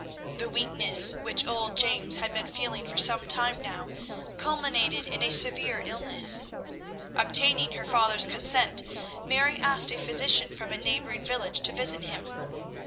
The weakness which old James had been feeling for some time now culminated in a severe illness. Obtaining her father's consent, Mary asked a physician from a neighbouring village to visit him.